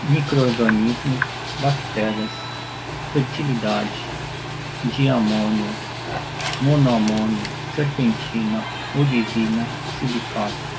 microrganismos, bactérias, fertilidade, diamônio, monoamônio, serpentina, olivina, silicato